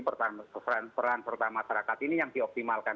peran serta masyarakat ini yang dioptimalkan